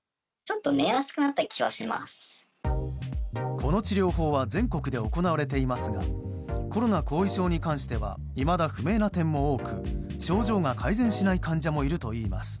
この治療法は全国で行われていますがコロナ後遺症に関してはいまだ不明な点も多く症状が改善しない患者もいるといいます。